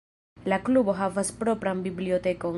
La klubo havas propran bibliotekon.